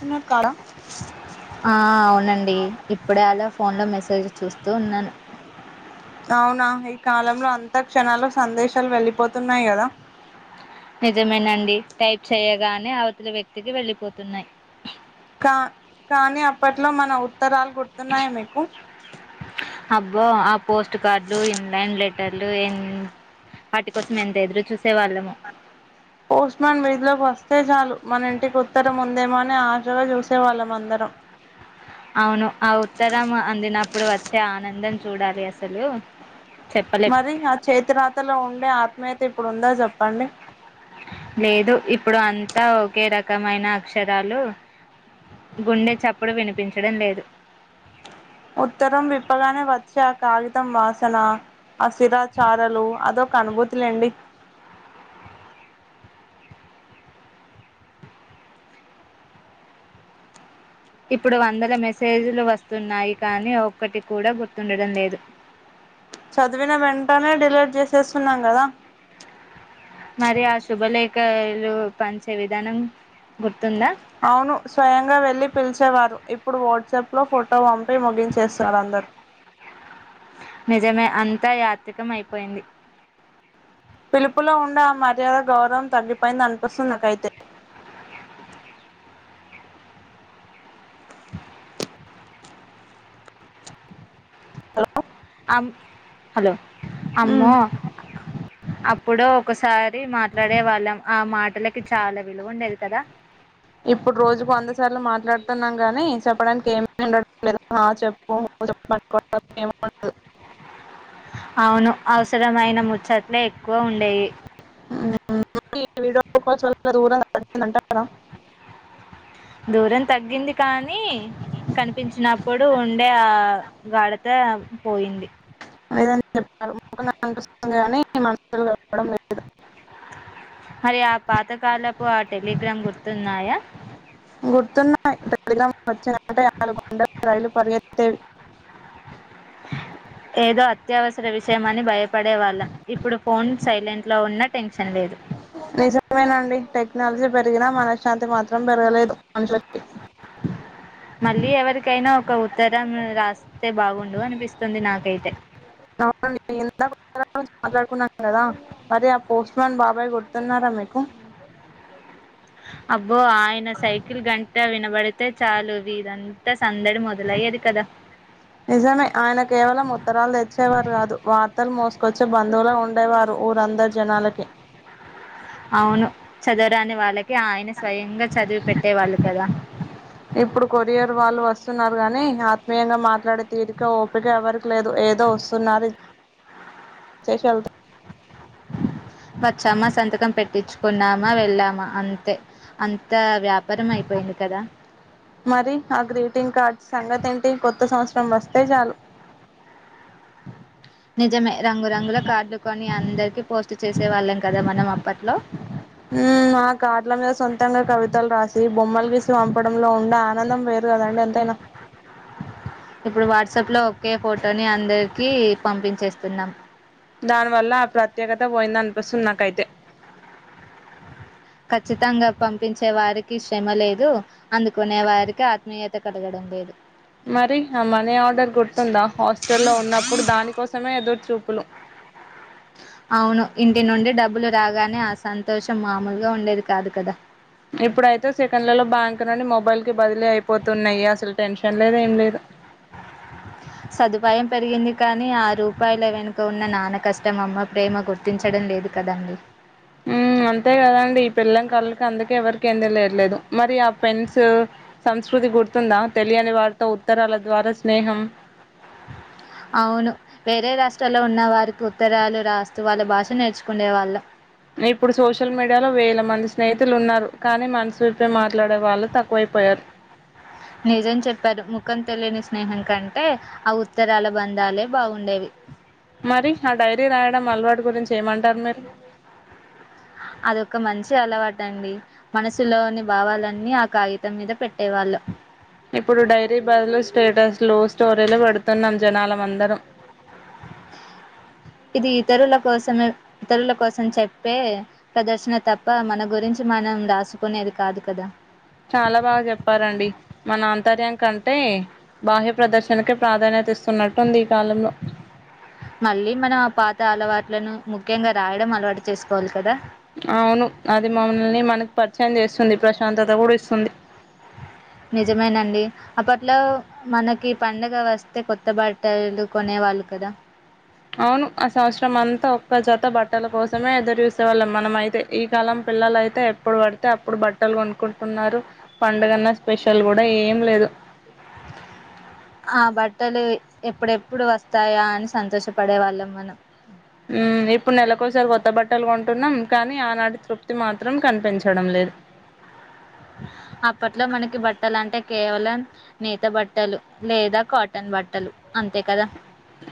తున్నట్ కాడా ఆ అవునండి ఇప్పుడే అలా ఫోన్లో మెసేజ్ చూస్తూ ఉన్నాను అవునా ఈ కాలంలో అంతా క్షణాల్లో సందేశాలు వెళ్ళిపోతున్నాయి కదా నిజమేనండి టైప్ చేయ గానే అవతల వ్యక్తికి వెళ్ళిపోతున్నాయి కానీ అప్పట్లో మన ఉత్తరాలు గుర్తున్నాయ మీకు అబ్బో ఆ పోస్ట్ కార్డులు ఇన్లాన్ లెటర్లు ఎ వాటి కోసం ఎంత ఎదురు చూసే వాళ్ళమొ పోస్ట్ మాన్ వీధిలోకి వస్తే చాలు మన ఇంటికి ఉత్తరం ఉందేమోని ఆశగా చూసే వాళ్ళం అందరం అవును ఆ ఉత్తరం అందినప్పు ప్పుడు వచ్చే ఆనందం చూడాలి అసలు చెప్పలేం మరి ఆ చేతి రాతలో ఉండే ఆత్మీయత ఇప్పుడు ఉందా చెప్ లేదు ఇప్ ఇప్పుడు అంతా ఒకే రకమైన అక్షరాలు గుండె చప్పుడు వినిపించడం లేదు ఉత్తరం విప్పగానే వ చ్చ కాగితం వాసనా ఆశిరా చారలు అదొక అనుభూతి వండి ఇప్పుడు వందల మెసేజ్లు వస్తున్నాయి కానీ ఒక్కటి కూడా గుర్తుండడం లేదు చదివిన వెంటనే డెలివర్ చేసేస్తున్నాం కదా మరి ఆ శుభలేఖ లు పంచే విధానం గుర్ అవును స్వయంగా వెళ్ళి పిలిచేవారు ఇప్పుడు వాట్సాప్ లో ఫోటో పంపి ముగించేస్తారు అందరు నిజమే అంతా యాత్రికం అయిపోయింది పిలుపులో ఉండే ఆ మర్యాద గౌరవం తగ్గిపోయిందంది అనిపిస్తుందికైతే హలో మ్మ్. అమ్మో అప్పుడు ఒకసారి మాట్లాడే వాళ్ళ ఆ మాటలకి చాలా విలువ ఉండేది కదా ఇప్పుడు రోజుకు వందసార్లు మాట్లాడుతున్నాం గాని చెప్పడానికి ఏమిండ లే చె అవును అవసరమైన ముచ్చట్లే ఎక్కువ ఉండేవి వీడి దూరందంటా దూరం తగ్గింది కానీ కనిపించినప్పుడు ఉండే ఆ గాడాత పోయింది అద చెప్తారు ముఖం కనిపిస్తుంది గాని మనవడం [inaudible] మరి ఆ పాతకాలపు ఆ టెలిగ్రామ్ గుర్తున్నాయా గుర్తున్నయి టెలిగ్రామ్ వచ్చాయంటే రైలు పరిగెత్తేవి ఏదో అత్యవసర విషయమని భయ పడే వాళ్ళం ఇప్పుడు ఫోన్ సైలెంట్లో ఉన్నా టెన్షన్ లేదు నిజమేనండి టెక్నాలజీ పెరిగినా మనశ్శాంతి మాత్రం పెరగలేదు మనుషులకి మళ్ళీ ఎవరికైనా కో ఉత్తరం రాస్తే బాగుండు అనిపిస్తుంది నాకైతే మాడు [inaudible] కదా అదే పోస్ట్ మన్ బాబాయ్ గుర్తున్నారా మీకు అబ్బో ఆయన సైకిల్ గంటా వినబడి తేచాలు వీదంత నిజమే ఆయన కేవలం ఉత్తరాలు తెచ్చేవారు కాదు వార్తలు మోస్ కి వచ్చి బంధువుల ఉండేవారు ఊరందరి జనాలకి అవును చదవరాని వాళ్ళకి ఆయన స్వయంగా చదివి పెట్టేవాళ్ళు కదా ఇప్పుడు కొరియర్ వాళ్ళు వస్తున్నారు కానీ ఆ త్మీయంగా మాట్లాడే తీరిక ఓపిక ఎవరికి లేదు ఏదో వస్తున్నారు ఇచేసి ఎల్త్ వచ్చామ సంతకం పెట్టించుకున్నామా వెళ్ళాం మ అంతే అంత వ్యాపారం అయిపోయింది కదా మరి ఆ గ్రీటింగ్ కార్డ్స్ సంగతి ఏంటి కొత్త సంవత్సరం వస్ స్తే చాలు నిజమే రంగురంగుల కార్డులు కొని అందరికి పోస్ట్ చేసే వాళ్ళం కదా మనం అప్ పట్లో మా కార్డుల మీద సొంతంగా కవితలు రాసి బొమ్మలు గీసి పంపడంలో ఉంద్ ఆనందం వేరు కదంటడి ఎంతైనా ఇప్పుడు వాట్సాప్ లో ఒకే ఫోటోని అందరికి పంపించేస్తున్నాం దాని వల్ల ఆ ప్రత్యేకత పోయిందనిపిస్తుంది నాకైతే ఖచ్చితంగా పంపించే వారికి శ్రమ లేదు అందుకునే వారికి ఆత్మీయత కలగడం లేదు మరి ఆ మనీ ఆర్డర్ గుర్తుందా హాస్టల్లో ఉన్నప్పుడు దానికోసమే ఎదురు చూపులు అవును ఇంటి నుండి డబ్బులు రాగానే ఆ సంతోషం మామూలుగా ఉండేది కాదు కదా ఇప్పుడయితే సెకండ్లలో బ్యాంక్ నుండి మొబైల్ కి బదిలీ అయిపోతున్నాయి అసలు టెన్షన్ లేదు ఏం లేదు సదుపాయం పెరిగింది కానీ ఆ రూపాయల వెనుక ఉన్న నాన్న కష్టం అమ్మ ప్రేమ గుర్తించడం లేదు కదండి ఉమ్ అంతే కదండి ఈ పిల్లం కళ్ళకి అందుకే ఎవరికి ఏంద లేట్లేదు మరి ఆ పెన్స్స్ సంస్కృతి గుర్తుందా తెలియని వారితో ఉత్తరాల ద్వారా స్నేహం అవును వేరే రాష్ట్రాల్లో ఉన్న వారికి ఉత్తరాలు రాస్తూ వాళ్ళ భాష నేర్చుకుండే వాళ్ళం ఇప్పుడు సోషల్ మీడియాలో వేల మంది స్నేహితులు ఉన్నారు కానీ మనసుల్తో మాట్లాడే వాళ్ళు తక్కువైపోయారు నిజం చెప్పారు ముఖం తెలియని స్నేహం కంటే ఆ ఉత్ మరి ఆ డైరీ రాయడం అలవాటు ట్ గురించి ఏమంటారు మీరు అదొక మంచి అలవాట అండి మనసులోని భావాలన్నీ ఆ కాగితం మీద పెట్టేవాళ్ళు ఇప్పుడు డైరీ బదులు స్టేటస్ లు స్టోరీలు పెడుతున్నాం జనాలమందరం ఇది ఇతరుల కోసమే ఇతరుల కోసం చెప్పే ప్రదర్శన తప్ప మన గురించి మనం రాసుకునేది కాదు కదా చాలా బాగా చెప్పారండి మన ఆంతర్యం కంటే బాహ్య ప్రదర్శన క ప్రాధాన్యత ఇస్తున్నట్టు ఉంది ఈ కాలంలో మళ్ళీ మనం ఆ పాత అలవాట్లను ముఖ్యంగా రాయడం అలవాటు చేసుకోవాలి కదా అవును అది మమ్మల్ని మనకు పరిచయం చేస్తుంది ప్రశాంతత కూడా ఇస్తుంది నిజమేనండి అప్పట్లో మనకి పండగ వస్తే కొత్త బట్టలు కొనేవాళ్ళు కదా అవును ఆ సంవత్సరం అంతా ఒక్క జత బట్టల కోసమే ఎదురు చూసేవాళ్ళం మనం అయితే ఈ కాలం పిల్లలయితే ఎప్పుడు పడితే అప్పుడు బట్టలు కొనుకుంటున్నారు పండుగన్న స్పెషల్ కూడా ఏం లేదు ఆ బట్టలు ఎప్పుడెప్పుడు వస్తాయా అని సంతోషపడే వాళ్ళం మనం ఊ ఇప్పుడు నెలకోసారి కొత్త బట్టలు కొంటున్నాం కానీ ఆనాటి తృప్తి మాత్రం కనిపించడం లేదు అప్పట్లో మనకి బట్టలు అంటే కేవలం నేత బట్టలు లేదా కాటన్ బట్టలు అంతే కదా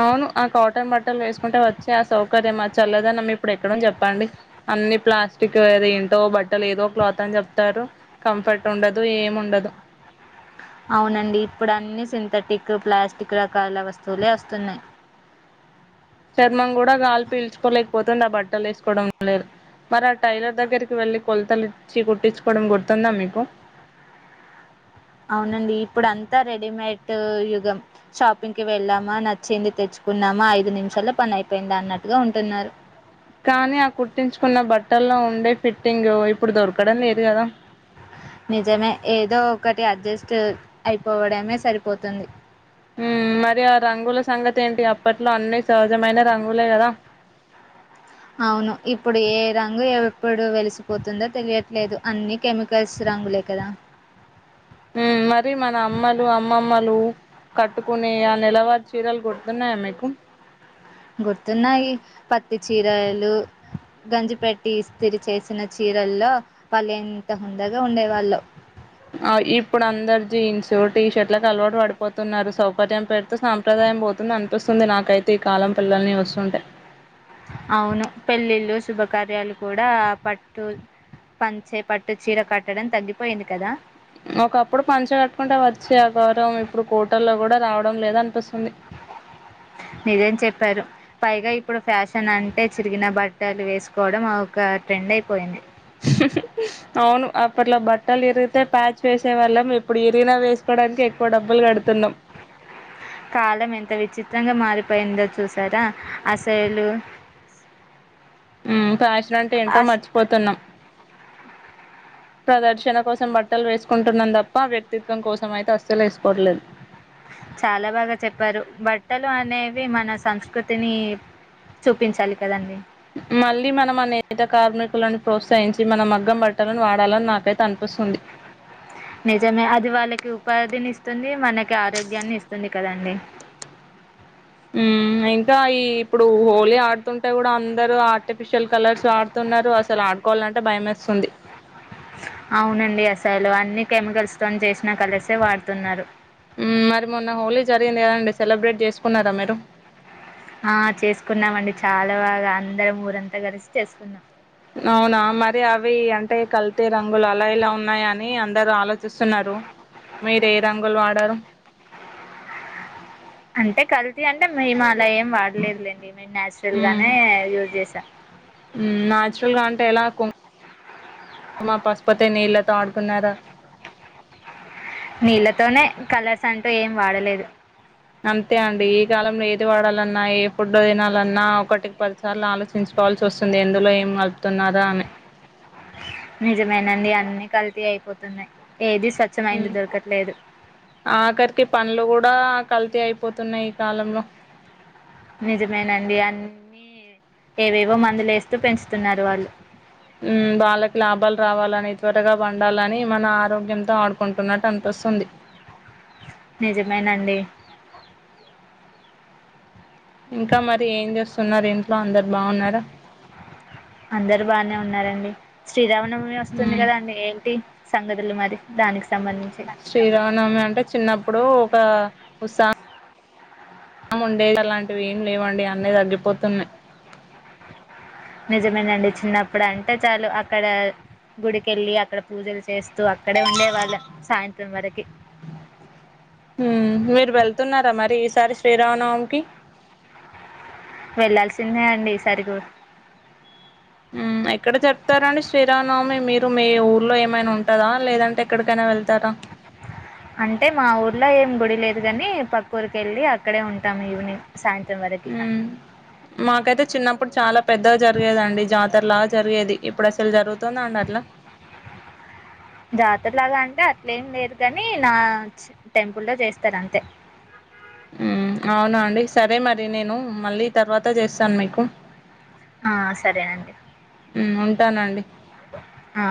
అవును ఆ కాటన్ బట్టలు వేసుకుంటే వచ్చి ఆ సౌకర్యం చల్లదనం ఇప్పుడు ఎక్కడ చెప్పండి అన్ని ప్లాస్టిక్ ఏద ఏంటో బట్టలు ఏదో క్లాత్ అని చెప్తారు కంఫర్ట్ ఉండదు ఏమి ఉండదు అవునండి ఇప్పుడు అన్నీ సింథెటిక్ ప్లాస్టిక్ రకాల వస్తువులే వస్తున్నాయి చర్మం కూడా గాలి పీల్చుకోలేదు పోతుందా ఆ బట్టలు వేసుకోవడం లేదు మరి ఆ టైలర్ దగ్గరికి వెళ్ళి కొలతలు ఇచ్చి కుట్టించుకోవడం గుర్తుందా మీకు అవునండి ఇప్పుడు అంతా రెడీమేడ్ యుగం షాపింగ్కిి వెళ్ళామా నచ్చింది తెచ్చుకున్నామా ఐదు నిమిషాల్లో పని అయిపోయిందా అన్నట్టుగా ఉంటున్నారు కానీ ఆ కుట్టించుకున్న బట్టల్లో ఉండే ఫిట్టింగు ఇప్పుడు దొరకడం లేదు కదా నిజమే ఏదో ఒకటి అడ్జస్ట్ అయిపోవడమే సరిపోతుంది మరి ఆ రంగుల సంగతి ఏంటి అప్పట్లో అన్ని సహజమైన రంగులే కదా అవును ఇప్పుడు ఏ రంగు ఎప్పుడు వెలిసిపోతుందో తెలియట్లేదు అన్నీ కెమికల్స్ రంగులే కదా హ్మం మరి మన అమ్మలు అమ్మమ్మలు కట్టుకుని ఆ నెలవారి చీరలు గుర్తున్నాయా మీకు గుర్తున్నాయి పత్తి చీరలు గంజిపట్టి ఇస్త్రీ చేసిన చీరల్లో వాళ్ళు ఎంత హుందగా ఉండేవాల్లో ఆ ఇప్పుడు అందరు జీన్స్ టీ షర్ట్లకు అలవాటు పడిపోతున్నారు సౌకర్యం పెడితే సాంప్రదాయం పోతుంది అనిపిస్తుంది నాకైతే ఈ కాలం పిల్లల్ని చూస్తుంటే అవును పెళ్ళిళ్ళు శుభకార్యాలు కూడా పట్టు పంచే పట్టు చీర కట్టడం తగ్గిపోయింది కదా ఒకప్పుడు పంచ కట్టుకుంటే వచ్చి ఆ గౌరవం ఇప్పుడు కోటల్లో కూడా రావడం లేద అనిపిస్తుంది నిజం చెప్పారు పైగా ఇప్పుడు ఫ్యాషన్ అంటే ఇరిగిన బట్టలు వేసుకోవడం ఒక ట్రెండ్ అయిపోయింది అవును అప్పట్లో బట్టలు ఇరిగితే ప్యాచ్ వేసేవాళ్ళం ఇప్పుడు ఇరిగినా వేసుకోవడానికి కుడప్పల్ కడుతున్నా ంగా మారిపోయిందో చూసారా అసలు హుమ్ ఫ్యాషన్ అంటే ఏంటో అస్ మర్చిపోతున్నాం ప్రదర్క్షణ కోసం బట్టలు వేసుకుంటున్నాం తప్ప వ్యక్తిత్వం కోసం అయితే అసలు వేసుకోవట్లేదు చాలా బాగా చెప్పారు బట్టలు అనేవి మన సంస్కృతిని చూపించాలి కదండి మళ్ళీ మనం అ నేతా కార్మికులను ప్రోత్సహించి మన మగ్గం బట్టలను వాడాలని నాకైతే అనిపిస్తుంది నిజమే అది వాళ్ళకి ఉపాధిని ఇస్తుంది మనకి ఆరోగ్యాన్ని ఇస్తుంది కదండి ఉ ఇంకా ఈ ఇప్పుడు హోలీ ఆడుతుంటే కూడా అందరుూ ఆ ఆర్టిఫిషియల్ కలర్స్ ఆడుతున్నారు అసలు ఆడుకోవాలంటే భయమేస్తు స్తోంది అవునండి అసలు అన్ని కెమికల్ స్టోన్ చేసినా కలిసే వాడుతున్నారు మరి మొన్న హోలీ జరిగింది కదండి సెలబ్రేట్ చేసుకున్నారా మీరు ఆ చేసుకున్నామండి చాలా బాగా అ అందరం ఊరంతా కలిసి చేసుకున్నాాం అవునా మరి అవి అంటే కల్తీ రంగులు అలా ఇలా ఉన్నాయ అని అందరుూ ఆలోచిస్తున్నారు మీరు ఏ రంగులు వాడారు అంతే కల్ ఎ అంటే మేము అలా ఏం వాడలేదులేండి మేము న్యాచురల్ హ్మ్. గానే యూజ్ చేసా చురల్ గా అంటే ఎలా [unintelligible] మా పసుపోతే నీళ్ళతో ఆడుకున్నారా నీళ్ళతోనే కలర్స్ అంటూ ఏం వాడలేదు అంతే అండి ఈ కాలంలో ఏది వాడాలన్నా ఏ ఫుడ్ తినాలన్నా ఒకటికి పదిసార్లు ఆలోచించుకోవాల్సి వస్తుంది ఎందులో ఏం కలుపుతున్నారా అని నిజమేనండి అన్ని కల్తీ అయిపోతున్నాయి ఏది స్వచ్ఛమైంది హమ్ దొరకట్లేదు ఆఖరికి పండ్లు కూడా కల్తీ అయిపోతున్నాయి ఈ కాలంలో నిజమేనండి అన్ని ఏవేవో మందులు వేస్తూ పెంచుతున్నారు వాళ్ళు ఉమ్ వాళ్ళకి లాభాలు రావాలని త్వరగా పండాలని మన ఆరోగ్యంతో ఆడుకుంటున్నట్టు అనిపిస్తుంది నిజమేనండి ఇంకా మరి ఏం చేస్తు న్నారు ఇంట్లో అందరు బాగున్నారా అందరు బానే ఉన్ ఉన్నారండి శ్రీరామ నవమి వస్తుంది మ్మ్ కదా అండి ఏంటి సంగతులు మరి దానిక్ శ్రీరామనవమి అంటే చిన్నప్పుడు ఒక ఉసా ముండే అలాంటివి ఏం లేవండి అన్ని తగ్గిపోతున్నాయి నిజమేనండి చిన్నప్పుడు అంటే చాలు అక్కడ గుడికెళ్ళి అక్కడ పూజలు చేస్ తు అక్కడే ఉండే వాళ్ళ సాయంత్రం వరక్ కి హమ్ మీరు వెళ్తున్నారా మరి ఈసారి శ్రీరామనవమికి వెళ్ళాల్సిందే అండి ఈసారి కూడ్ ఉమ్ ఎక్కడ జరుపుతారండి శ్రీరామనవమి మీరు మీ ఊర్లో ఏమైనా ఉంటందా లేదంటే ఎక్కడికైనా వెళ్తారా అంటే మా ఊర్లో ఏం గుడి లేదు కాని పక్క ఊరికెళ్ళి అక్కడే ఉంటాం ఈవినింగ్ సాయంత్రం వరకి ఉమ్ మాకైతే చిన్నప్పుడు చాలా పెద్దగా జరిగేదండి జాతర లాగా జరిగేది ఇప్పుడు అస్ సల్ జరుగుతోంద అండి అట్లా జాతరలాగా అంటే అట్లేం లేదు కాని నా టెంపుల్లో చేస్తారు అంతే హమ్ అవును అండి సరే మరి నేను మళ్ళీ తర్వాత చేస్తాను మీకు ఆ సరేనండి ఉ ఉంటానండి ఆ